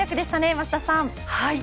桝田さん。